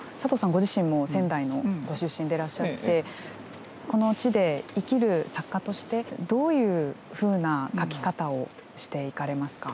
ご自身も仙台のご出身でいらっしゃってこの地で生きる作家としてどういうふうなそうですね。